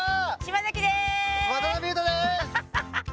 渡辺裕太です！